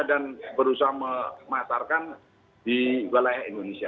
dan berusaha memasarkan di wilayah indonesia